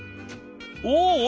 おお！